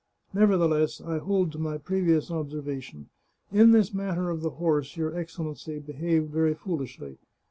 Nevertheless, I hold to my previous observation. In this matter of the horse your Excellency behaved very foolishly.